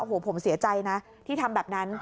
โอ้โหผมเสียใจนะที่ทำแบบนั้น